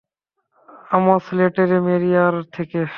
আমজ লেটেরেমেরিয়ার থেকে।